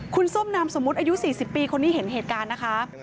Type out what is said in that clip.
คุณส้มนามสมมุติอายุ๔๐ปีคนนี้เห็นเหตุการณ์นะคะ